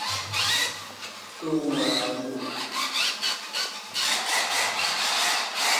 ตูวาลู